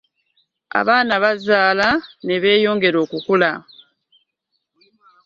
Abaana bazaala me beyongera okukula.